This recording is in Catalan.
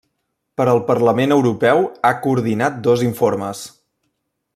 Per al Parlament Europeu ha coordinat dos informes.